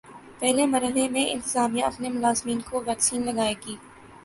پہلے مرحلے میں انتظامیہ اپنے ملازمین کو ویکسین لگائے گی